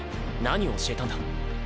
何を教えたんだ？